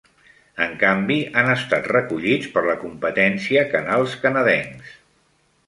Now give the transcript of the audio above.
En canvi, han estat recollits per la competència canals canadencs.